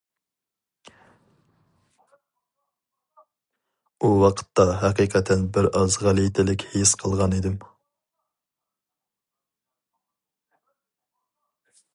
ئۇ ۋاقىتتا ھەقىقەتەن بىر ئاز غەلىتىلىك ھېس قىلغان ئىدىم.